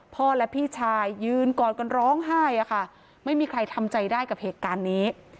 พ่อและพี่ชายยืนกอดกันร้องไห้อะค่ะไม่มีใครทำใจได้กับเหตุการณ์นี้